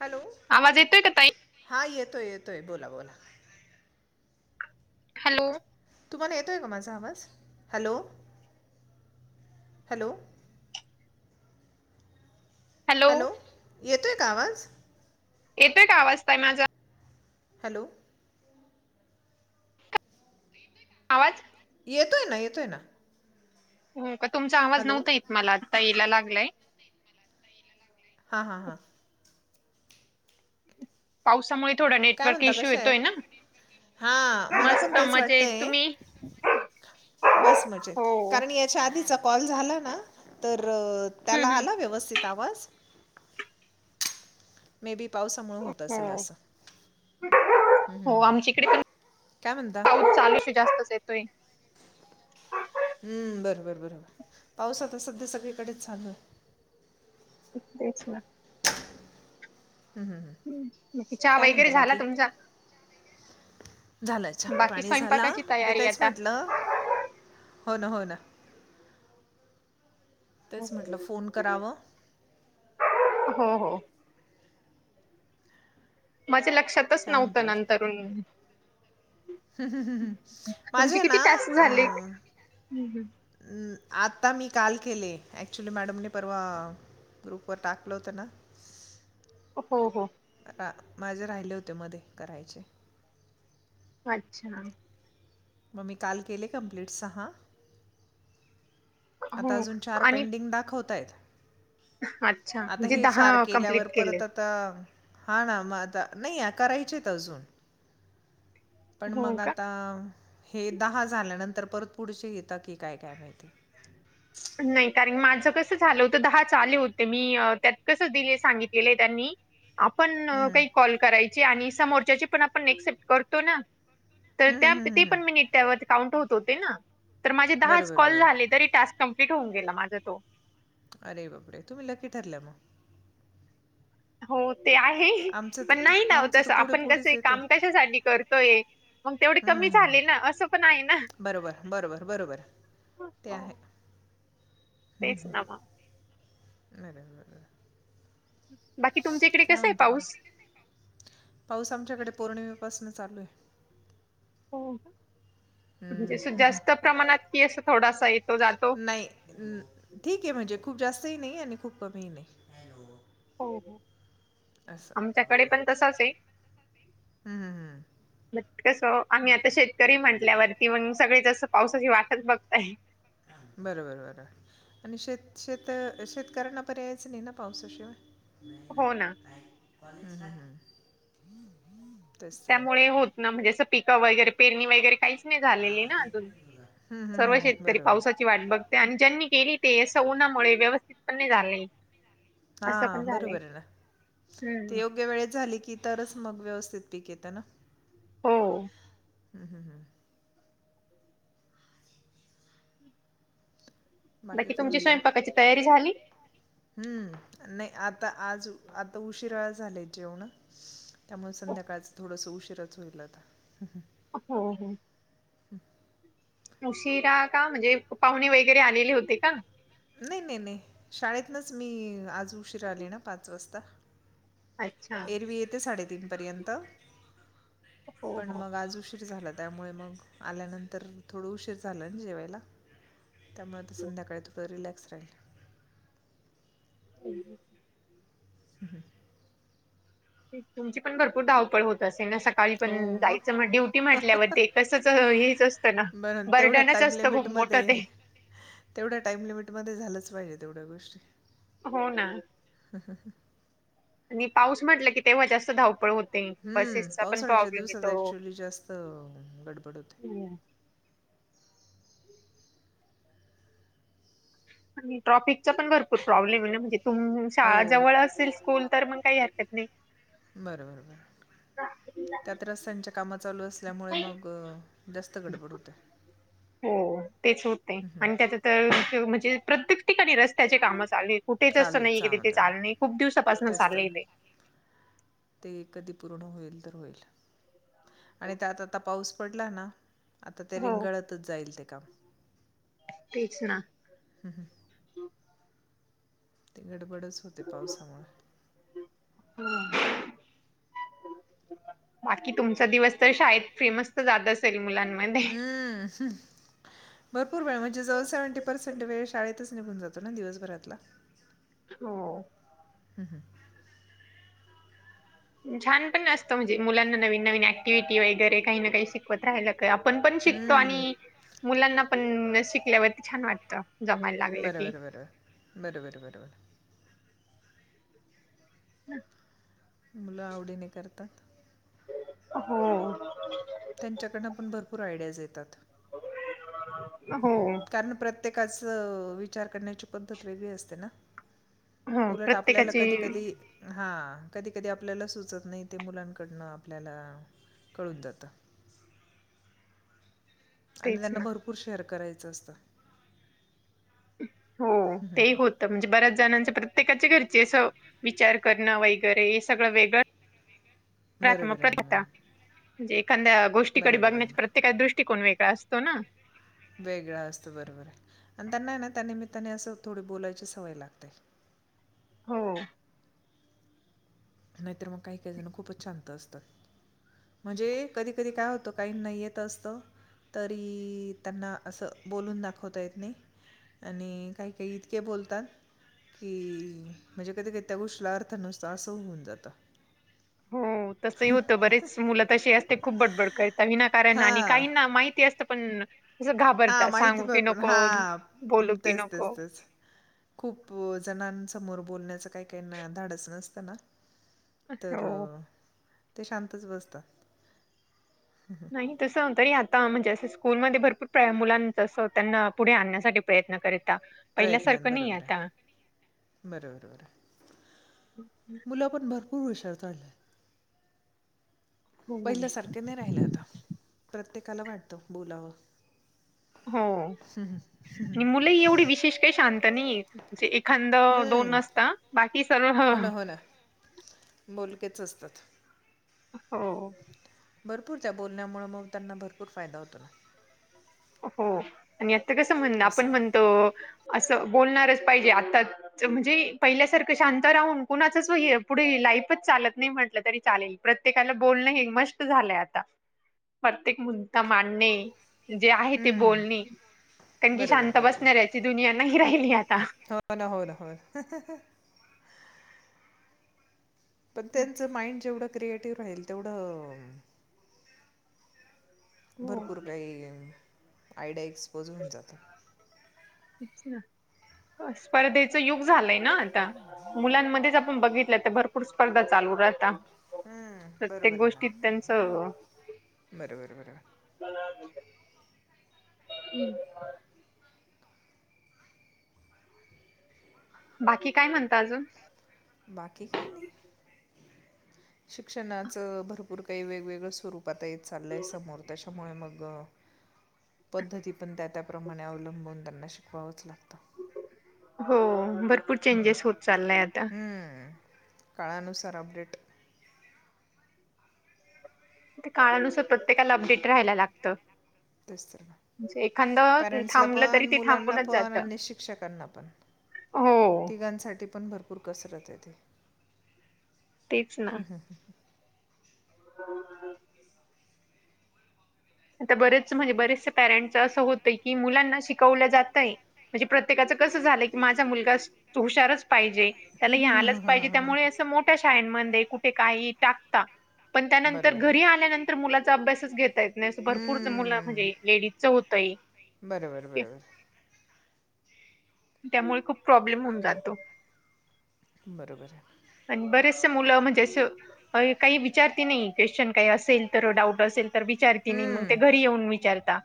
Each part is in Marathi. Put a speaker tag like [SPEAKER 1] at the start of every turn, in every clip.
[SPEAKER 1] हॅलो.
[SPEAKER 2] आवाज येतोय का ताई?
[SPEAKER 1] हां येतोय येतोय, बोला बोला.
[SPEAKER 2] हॅलो.
[SPEAKER 1] तुम्हाला येतोय का माझा आवाज? Hello, hello. हॅलो, येतोय का आवाज?
[SPEAKER 2] येतोय का आवाज ताई माझा?
[SPEAKER 1] हॅलो. येतोय का [inaudible]
[SPEAKER 2] आवाज.
[SPEAKER 1] येतोय ना येतोय ना.
[SPEAKER 2] हो का तुमचा आवाज
[SPEAKER 1] हॅलो
[SPEAKER 2] नव्हता येत मला आता यायला लागलाय.
[SPEAKER 1] हां हां हां
[SPEAKER 2] पावसामुळे थोडा
[SPEAKER 1] काय
[SPEAKER 2] नेटवर्क
[SPEAKER 1] म्हणता
[SPEAKER 2] इश्यू
[SPEAKER 1] कशा आहे
[SPEAKER 2] येतोय ना.
[SPEAKER 1] हां मला पण
[SPEAKER 2] मस्त
[SPEAKER 1] तेच
[SPEAKER 2] मजेत
[SPEAKER 1] वाटतंय.
[SPEAKER 2] तुम्ही?
[SPEAKER 1] बस मजेत,
[SPEAKER 2] हो
[SPEAKER 1] कारण या च्या आधीचा कॉल झाला ना तर
[SPEAKER 2] हम्म
[SPEAKER 1] त्याला आला
[SPEAKER 2] हम्म
[SPEAKER 1] व्यवस्थित आवाज. मे बी पावसामुळं होत असेल
[SPEAKER 2] हो
[SPEAKER 1] असं. हम्म हम्म
[SPEAKER 2] हो
[SPEAKER 1] हम्म
[SPEAKER 2] आमच्या इकडे पण
[SPEAKER 1] काय म्हणता.
[SPEAKER 2] पाऊस चालूच आहे जास्तच येतोय.
[SPEAKER 1] हम्म बरोबर बरोबर पाऊस आता संध्या सगळीकडेच चालू आहे.
[SPEAKER 2] तेच ना
[SPEAKER 1] हम्म, हम्म, हम्म.
[SPEAKER 2] मग काही चहा
[SPEAKER 1] काय म्हणता
[SPEAKER 2] वगैरे झाला
[SPEAKER 1] बाकी
[SPEAKER 2] तुमचा?
[SPEAKER 1] झालं चहा
[SPEAKER 2] बाकी
[SPEAKER 1] पाणी झाला
[SPEAKER 2] स्वयंपाकाची
[SPEAKER 1] मी
[SPEAKER 2] तयारी
[SPEAKER 1] तेच
[SPEAKER 2] आता.
[SPEAKER 1] म्हटलं, हो ना हो ना. तेच म्हटलं फोन करावं.
[SPEAKER 2] हो हो माझ्या लक्षातच
[SPEAKER 1] काय
[SPEAKER 2] नव्हतं
[SPEAKER 1] म्हणतात
[SPEAKER 2] नंतरुण.
[SPEAKER 1] माझे ना
[SPEAKER 2] टास्क झाले?
[SPEAKER 1] अम-
[SPEAKER 2] हम्म, हम्म.
[SPEAKER 1] आता मी काल केले ऍक्च्युली मॅडमने परवा ग्रुपवर टाकलं होतं ना,
[SPEAKER 2] हो.
[SPEAKER 1] हां माझे राहिले होते मध्ये करायचे.
[SPEAKER 2] अच्छा!
[SPEAKER 1] मग मी काल केले कम्प्लीट सहा. आता
[SPEAKER 2] हो
[SPEAKER 1] अजून चार
[SPEAKER 2] आणि
[SPEAKER 1] पेंडिंग दाखवतायेत.
[SPEAKER 2] अच्छा
[SPEAKER 1] आता
[SPEAKER 2] म्हणजे
[SPEAKER 1] हे चार
[SPEAKER 2] दहा कंप्लीट
[SPEAKER 1] केल्यावर
[SPEAKER 2] केले.
[SPEAKER 1] परत आता, तर हां ना मग आता नाही आहे करायचे आहेत अजून, पण
[SPEAKER 2] हो
[SPEAKER 1] मग
[SPEAKER 2] का?
[SPEAKER 1] आता हे दहा झाल्यानंतर परत पुढचे येता की काय काय माहिती?
[SPEAKER 2] नाही कारण माझं कसं झालं होतं दहाच आले होते, मी त्यात कसं दिले सांगितलेलं आहे त्यांनी आपण
[SPEAKER 1] हं.
[SPEAKER 2] काही कॉल करायचे आणि समोरच्याचे पण आपण एक्सेप्ट करतो ना. तर
[SPEAKER 1] हं, हं,
[SPEAKER 2] त्या
[SPEAKER 1] हं, हं,
[SPEAKER 2] ते
[SPEAKER 1] हं.
[SPEAKER 2] पण मिनिट त्यावरती काउंट होतं होते ना तर माझे दहाच
[SPEAKER 1] बरोबर
[SPEAKER 2] कॉल
[SPEAKER 1] बरोबर
[SPEAKER 2] झाले. तरी टास्क कम्प्लीट होऊ गेला माझं तो.
[SPEAKER 1] अरे बापरे तुम्ही लकी ठरले मग.
[SPEAKER 2] हो ते आहे
[SPEAKER 1] आमचं
[SPEAKER 2] पण
[SPEAKER 1] तर
[SPEAKER 2] नाही ना
[SPEAKER 1] आमचं तर
[SPEAKER 2] तस
[SPEAKER 1] पुढे
[SPEAKER 2] आपण कस
[SPEAKER 1] पुढेच येते हं,
[SPEAKER 2] काम कशासाठी करतोय. मग तेवढी
[SPEAKER 1] हं,
[SPEAKER 2] कमी
[SPEAKER 1] हं, हं.
[SPEAKER 2] झाले ना असं पण आहे ना.
[SPEAKER 1] बरोबर बरोबर बरोबर ते
[SPEAKER 2] हो
[SPEAKER 1] आहे.
[SPEAKER 2] तेच ना मग.
[SPEAKER 1] नाहीरे [inaudible]
[SPEAKER 2] बाकी तुमच्या इकडे
[SPEAKER 1] काय
[SPEAKER 2] कसा आहे
[SPEAKER 1] म्हणता मघ
[SPEAKER 2] पाऊस?
[SPEAKER 1] पाऊस आमच्याकडे पौर्णिमेपासून चालू आहे.
[SPEAKER 2] हो
[SPEAKER 1] हं,
[SPEAKER 2] म्हणजे
[SPEAKER 1] हं, हं.
[SPEAKER 2] जास्त प्रमाणात की असं थोडासा येतो जातो.
[SPEAKER 1] नाही ठीक आहे म्हणजे खूप जास्तही नाही आणि खूप कमीही नाही.
[SPEAKER 2] हो
[SPEAKER 1] असं
[SPEAKER 2] आमच्याकडे पण तसंच आहे.
[SPEAKER 1] हम्म हम्म हम्म
[SPEAKER 2] मग कसं आम्ही आता शेतकरी म्हंटल्यावरती मग सगळेच अस पावसाची वाटच बघतय.
[SPEAKER 1] बरोबर बरोबर. आणि शेत शेत शेतकऱ्यांना पर्यायचं नाही ना पावसाशिवाय.
[SPEAKER 2] हो ना
[SPEAKER 1] नाही ना.
[SPEAKER 2] त्यामुळे होत ना असे पिकं वगैरे पेरणी वगैर. तरी काहीच नाही झालेली अजून.
[SPEAKER 1] हं, हं,
[SPEAKER 2] सर्व
[SPEAKER 1] हं.
[SPEAKER 2] शेतकरी
[SPEAKER 1] बरोबर.
[SPEAKER 2] पावसा वाट बघते आणि ज्यांनी केली ते सौनामुळे व्यवस्थित पण नाही झालेली.
[SPEAKER 1] हा बरोबर आहे ना. ते
[SPEAKER 2] हम्म
[SPEAKER 1] योग्य वेळेत झाली की तरच मग व्यवस्थित पीक येतं ना.
[SPEAKER 2] हो.
[SPEAKER 1] हा हा हा. बाकी काय
[SPEAKER 2] तुमची
[SPEAKER 1] म्हणता?
[SPEAKER 2] स्वयंपाकाची तयारी झाली?
[SPEAKER 1] हम्म. नाही आता आज आता उशिराच झालाय जेवणं. त्यामुळे
[SPEAKER 2] हो
[SPEAKER 1] संध्याकाळचं थोडंसं उशीरच होईल आता.
[SPEAKER 2] हम् हम्. उशिरा का म्हणजे पाहुणे वगैरे आलेले होते का?
[SPEAKER 1] नाही नाही नाही. शाळेतनच मी आज उशीरा आले ना पाच वाजता.
[SPEAKER 2] अच्छा
[SPEAKER 1] एरवी येते साडेतीन पर्यंत.
[SPEAKER 2] हो
[SPEAKER 1] पण
[SPEAKER 2] हो
[SPEAKER 1] मग आज उशीर झाला. त्यामुळे मग आल्यानंतर थोडं उशीर झालं ना जेवायला. त्यामुळे आता संध्याकाळी थोडं रिलॅक्स राहील.
[SPEAKER 2] हम्.
[SPEAKER 1] ह.
[SPEAKER 2] तुमची पण भरपूर धावपळ होत असेल ना. सकाळी पण
[SPEAKER 1] हो
[SPEAKER 2] जायचं म
[SPEAKER 1] मग
[SPEAKER 2] ड्युटी म्हटल्यावर ते तसंच हेच असतं ना.
[SPEAKER 1] बरं तेवढ्या
[SPEAKER 2] बर्डनच
[SPEAKER 1] टाईम
[SPEAKER 2] असतं खूप मोठं
[SPEAKER 1] लिमिटमध्ये
[SPEAKER 2] ते.
[SPEAKER 1] तेवढ्या टाइम लिमिटमध्ये झालंच पाहिजे तेवढ्या गोष्टी.
[SPEAKER 2] हो ना. आणि पाऊस म्हटलं की तेव्हा जास्त धावपळ हो ते
[SPEAKER 1] हं,
[SPEAKER 2] बसेसचा पण
[SPEAKER 1] पावसाळ्याच्या
[SPEAKER 2] प्रॉब्लेम
[SPEAKER 1] दिवसात
[SPEAKER 2] येतो.
[SPEAKER 1] ॲक्च्युली जास्त गडबड होते
[SPEAKER 2] ह. आणि ट्रॉफिकचा पण भरपूर प्रॉब्लेम आहे म्हणजे तुम शाळा
[SPEAKER 1] हो
[SPEAKER 2] जवळ
[SPEAKER 1] बरं
[SPEAKER 2] असेल स्कूल तर मग कत नाही.
[SPEAKER 1] बरबर बर. त्यात रस्त्यांच्या कामं चालू असल्यामुळे मग जास्त गडबड होते
[SPEAKER 2] हो तेच होतय. आणि त्याच तर म्हणजे प्रत्येक ठिक आहे रस्त्याचे कामं चालले कुठे असं नाही
[SPEAKER 1] कालच
[SPEAKER 2] की तीथे
[SPEAKER 1] आम्हाला
[SPEAKER 2] चालू नाही. खूप दिवसापासूनच
[SPEAKER 1] तेच तर
[SPEAKER 2] चालले ते.
[SPEAKER 1] ते कधी पूर्ण होईल तेव्ह होईल. आणि त्यात आता पाऊस पडला ना. आता ते
[SPEAKER 2] हो
[SPEAKER 1] रिंगळतच जाईल ते काम.
[SPEAKER 2] तेच ना‌.
[SPEAKER 1] हम. ते गडबडच होते पावसामुळे.
[SPEAKER 2] [inaudible] बाकी तुमचा दिवस तर शाळेत फेमस तर जात असेल मुलांमध्ये.
[SPEAKER 1] ह ह. भरपूर वेळ म्हणजे जवळ सेव्हेंटी पर्सेंट वेळ शाळेतच निघून जातो ना दिवसभरातला‌
[SPEAKER 2] हो.
[SPEAKER 1] हं हं.
[SPEAKER 2] छान पण असतं म्हणजे मुलांना नवीन नवीन ऍक्टिव्हटी वगैरे काही ना काही शिक शिकवत राहल का, आपण पण शिकतो.
[SPEAKER 1] हम्म
[SPEAKER 2] आणि मुलांना पण शिकल्यावरती छान वाटत. जमायला लागलं
[SPEAKER 1] बर
[SPEAKER 2] की
[SPEAKER 1] बर बर बर बर बर बर बर
[SPEAKER 2] [unintelligible]
[SPEAKER 1] मुल आवडीने करतात.
[SPEAKER 2] हो
[SPEAKER 1] त्यांच्याकडन पण भरपूर आयडियाज येतात.
[SPEAKER 2] हो
[SPEAKER 1] कारण प्रत्येकाच विचार करण्याची पद्धत वेगळी असते ना.
[SPEAKER 2] हो
[SPEAKER 1] उलट आपल्याला
[SPEAKER 2] प्रत्येकाची
[SPEAKER 1] कधी कधी हा, कधी कधी आपल्याला सुचत नाही ते मुलांकडन आपल्याला कळून जात. आणि
[SPEAKER 2] तेच
[SPEAKER 1] त्यांना
[SPEAKER 2] ना
[SPEAKER 1] भरपूर शेअर करायच असत.
[SPEAKER 2] हो ते होत तर म्हणजे बऱ्याच जणांच, प्रत्येकाच्या घरचे अस विचार करण वगैरे हे सगळ वेगळ राहत,
[SPEAKER 1] बरोबर आहे ना मॅडम
[SPEAKER 2] म्हणजे एखांद गोष्टीकडे
[SPEAKER 1] बरोबर आहे
[SPEAKER 2] बघण्याचा
[SPEAKER 1] ना
[SPEAKER 2] प्रत्येकाचा दृष्टिको वेगळा असतो ना.
[SPEAKER 1] वेगळा असतो बरोबर आहे. आणि त्यांना ना त्यानिमित्ताने अस थोडी बोलायची सवय लागते.
[SPEAKER 2] हो
[SPEAKER 1] नाहीतर मग काही काही जण खूपच शांत असतात. म्हणजे कधी कधी काय होत, काहींना येत असत. तरी त्यांना अस बोलून दाखवता येत नाही. आणि काही काही इतके बोलतात. कि म्हणजे कधी कधी त्या गोष्टीला अर्थ नसतो अस होऊन जात. [inaudible]
[SPEAKER 2] तसही होत. बरेच मुल तशी असत्या. खूप बडबड करीता विनाकारणन‌‌. आणि
[SPEAKER 1] हां
[SPEAKER 2] काहीना माहिती असत पण कस
[SPEAKER 1] हां,
[SPEAKER 2] घाबरताात.
[SPEAKER 1] माहिती
[SPEAKER 2] सांगू की
[SPEAKER 1] भरपूर
[SPEAKER 2] नको.
[SPEAKER 1] हां,
[SPEAKER 2] बोलू की
[SPEAKER 1] तेच, तेच,
[SPEAKER 2] नको.
[SPEAKER 1] तेच. खूप जणांसमोर बोलण्याच काही काही ना धाडच नसत ना. तर,
[SPEAKER 2] हो
[SPEAKER 1] ते शांतच बसतात.
[SPEAKER 2] नाही तस तरी आता म्हणजे अस स्कूलमध्येध्ये भरपूर मुलांचस त्यांना पुढे आणण्यासाठी प्रयत्न करीता.
[SPEAKER 1] प्रयत्न बरोबर आहे. बर बर बर, मुल पण भरपूर हुशार झालीय.
[SPEAKER 2] हो
[SPEAKER 1] पहिल्या सारखे नाही राहिल आता. प्रत्येकाला वाटत बोलाव.
[SPEAKER 2] हो आणि मुलही एवढी विशेष शांत नाहीये. म्हणजे एखांद दोन
[SPEAKER 1] हं,
[SPEAKER 2] असता. बाकी सर्व
[SPEAKER 1] हो ना हो ना, बोलकेच असतात.
[SPEAKER 2] हो
[SPEAKER 1] भरपूर त्या बोलण्यामुळे मग त्यांना भरपूर फायदा होतो ना.
[SPEAKER 2] हो आणि आता कस म्हणण, आपण
[SPEAKER 1] असं. हं,
[SPEAKER 2] म्हणतो अस बोलणारच पाहिजे. आता म्हणजे पहिल्यासारख शांत राहून कुणाचच पुढे लाईफच चालत नाही म्हटल तरी चालेल. प्रत्येकाला बोलण हे मस्त झालय आता. प्रत्येक मुद्दा मांडणे. जे आहे ते
[SPEAKER 1] हं, हं.
[SPEAKER 2] बोलणे. कारण की
[SPEAKER 1] बरोबर,
[SPEAKER 2] शांत
[SPEAKER 1] बरोबर.
[SPEAKER 2] बसणाऱ्याची दुनिया नाही राहिली आता.
[SPEAKER 1] हो ना, हो ना हो पण त्यांच माइंड जेवढ क्रिएटिव्ह राहील तेवढ
[SPEAKER 2] हो
[SPEAKER 1] भरपूर काही आयडिया एक्सपोज होऊन जातात.
[SPEAKER 2] स्पर्धा च युग झालंय ना आता मुलांमध्ये बघितलं तर भरपूर स्पर्धा चालू राहता
[SPEAKER 1] हम्
[SPEAKER 2] प्रत्येक
[SPEAKER 1] बरोबर आहे
[SPEAKER 2] गोष्टीत
[SPEAKER 1] ना,
[SPEAKER 2] त्यांचं
[SPEAKER 1] बरोबर बरोबर
[SPEAKER 2] हुम् बाकी काय म्हणता आजून?
[SPEAKER 1] बाकी काही नाही शिक्षणाचं भरपूर काही वेगवेगळं स्वरूप आता येत चाललंय समोर, त्याच्यामुळे मग पद्धती पण त्या त्या त्याप्रमाणे अवलंबून त्यांना शिकवावंच लागतं
[SPEAKER 2] हो भरपूर चेंजेस होत चाललाय आता
[SPEAKER 1] हम्म. काळानुसार अपडेट
[SPEAKER 2] ते काळानुसार प्रत्येकाला अपडेट राहायला लागतं.
[SPEAKER 1] तेच ना
[SPEAKER 2] म्हणजे एखादं
[SPEAKER 1] पॅरेंट्सला
[SPEAKER 2] थांबलं तरी
[SPEAKER 1] पण,
[SPEAKER 2] ते
[SPEAKER 1] मुलांना
[SPEAKER 2] थांबूनच
[SPEAKER 1] पण
[SPEAKER 2] जातं.
[SPEAKER 1] आणि शिक्षकांना पण
[SPEAKER 2] हो
[SPEAKER 1] तिघांसाठी पण भरपूर कसरत आहे ती,
[SPEAKER 2] तेच
[SPEAKER 1] ह ह ह
[SPEAKER 2] ह [inaudible] आता बरेच म्हणजे बरेचसे पॅरेंटच असं होतंय की, मुलांना शिकवलं जातय म्हणजे प्रत्येकाचं कसं झालंय की, माझा मुलगा हुशारच पाहिजे. त्याला हे आलंच पाहिजे त्यामुळे
[SPEAKER 1] बरोबर
[SPEAKER 2] अस मो ठ्या शाळे मध्ये कु काय ही टाकता. पण त्यानंतर घरी आल्यानंत तर मुलाचा अभ्यासच घेता येत नाही, भरपूर मुलं
[SPEAKER 1] हम्म
[SPEAKER 2] म्हणजे लेडीजचं होतंय.
[SPEAKER 1] बरोबर बरोबर
[SPEAKER 2] त्यामुळे खूप प्रॉब्लेम होऊन जातो.
[SPEAKER 1] बरोबर आहे.
[SPEAKER 2] आणि बरेचसे मुलं म्हणजे अस काही विचारते नाही क्वेश्चन काही असेल तर, डाऊट असेल विचार मग घरी
[SPEAKER 1] हम्म
[SPEAKER 2] येऊन विचारता.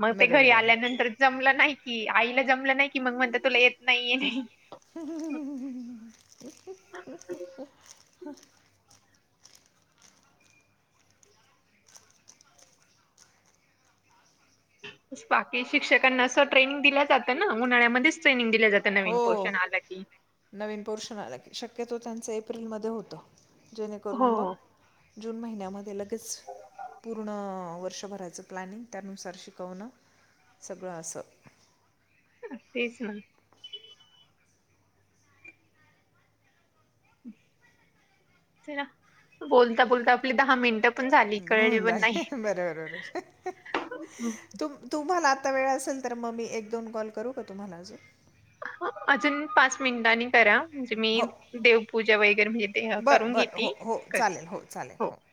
[SPEAKER 2] मग ते घरी
[SPEAKER 1] बरोबर आहे ना
[SPEAKER 2] आल्यानंतर जमलं नाही की, आईला जमलं नाही की, मग म्हणत तुला येत नाही.
[SPEAKER 1] हु हु अअ
[SPEAKER 2] बाकी शिक्षकांना असं ट्रेनिंग दिलं जातं ना, उन्हाळ्यामध्येच ट्रेनिंग जात
[SPEAKER 1] हो
[SPEAKER 2] नवीन पोरशण आला की
[SPEAKER 1] नवीन पोर्शन आलं की शक्यतो त्यांचं एप्रिलमध्ये होतं.
[SPEAKER 2] हो
[SPEAKER 1] जेणेकरून
[SPEAKER 2] हो
[SPEAKER 1] मग जून महिन्यामध्ये लगेच पूर्ण वर्षभराचं प्लॅनिंग त्यानुसार शिकवणं सगळं असं
[SPEAKER 2] अ तेच ना. चला बोलता -बोलता आपली दहा मिनिटं पण झाली कळली
[SPEAKER 1] होऊन
[SPEAKER 2] पण नाही
[SPEAKER 1] झाले, बरोबर बरोबर. तु- तुम्हाला आता वेळ असेल तर, मग मी एक दोन कॉल करू का तुम्हाला अजून?
[SPEAKER 2] हा अजून पाच मिनिटांनी करा म्हणजे मी
[SPEAKER 1] हो
[SPEAKER 2] देवपूजा वगैरे म्हणजे ते करून घेते कर हो
[SPEAKER 1] होय